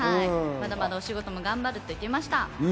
だまだお仕事も頑張ると言っていました。